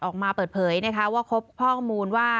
ออกมาเปิดเผยนะคะว่าครบข้อมูลว่า